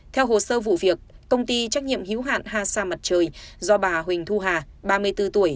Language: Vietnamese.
theo hồ sơ vụ việc công ty trách nhiệm hiệu hạn hà sa mặt trời do bà huỳnh thu hà ba mươi bốn tuổi